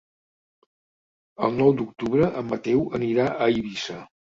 El nou d'octubre en Mateu anirà a Eivissa.